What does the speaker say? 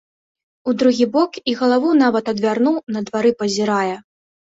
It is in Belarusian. У другі бок і галаву нават адвярнуў, на двары пазірае.